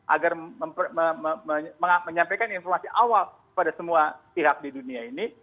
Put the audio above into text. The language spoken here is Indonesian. agar menyampaikan informasi awal pada semua pihak di dunia ini